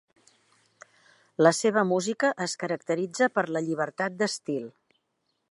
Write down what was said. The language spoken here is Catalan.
La seva música es caracteritza per la llibertat d'estil.